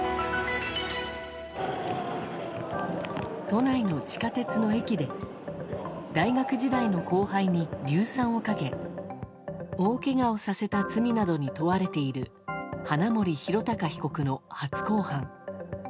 都内の地下鉄の駅で大学時代の後輩に硫酸をかけ大けがをさせた罪などに問われている花森弘卓被告の初公判。